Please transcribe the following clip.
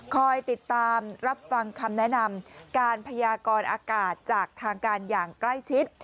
คอยติดตามรับฟังคำแนะนำการพยากรอากาศจากทางการอย่างใกล้ชิด